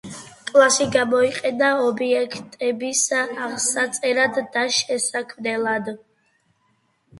კლასი გამოიყენება ობიექტების აღსაწერად და შესაქმნელად.